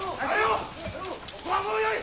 ここはもうよい！